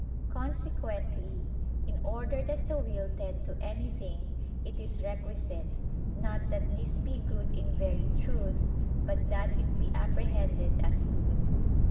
Consequently, in order that the will tend to anything, it is requisite, not that this be good in very truth, but that it be apprehended as good.